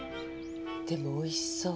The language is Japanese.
でもおいしそう。